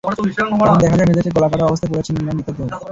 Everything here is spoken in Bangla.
তখন দেখা যায়, মেঝেতে গলা কাটা অবস্থায় পড়ে আছে মিনার নিথর দেহ।